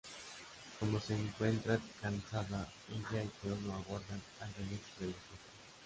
Como se encuentra cansada, ella y Chrono aguardan al regreso de los otros.